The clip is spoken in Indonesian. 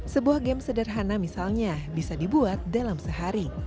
sebuah game sederhana misalnya bisa dibuat dalam sehari